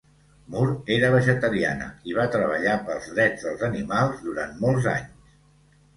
Moore era vegetariana i va treballar pels drets dels animals durant molts anys.